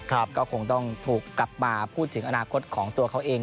ก็คงต้องถูกกลับมาพูดถึงอนาคตของตัวเขาเอง